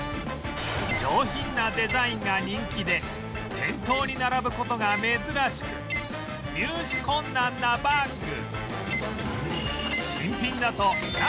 上品なデザインが人気で店頭に並ぶ事が珍しく入手困難なバッグ